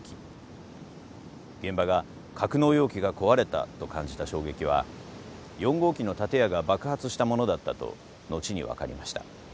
現場が格納容器が壊れたと感じた衝撃は４号機の建屋が爆発したものだったと後に分かりました。